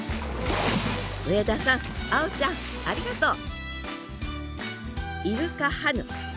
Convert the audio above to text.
上田さん碧ちゃんありがとう！